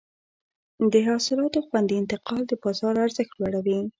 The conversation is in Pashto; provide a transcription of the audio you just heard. د حاصلاتو خوندي انتقال د بازار ارزښت لوړوي.